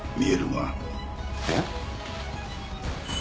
えっ？